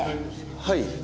はい。